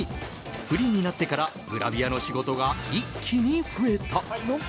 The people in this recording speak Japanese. フリーになってからグラビアの仕事が一気に増えた。